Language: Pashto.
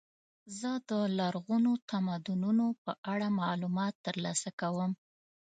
زه د لرغونو تمدنونو په اړه معلومات ترلاسه کوم.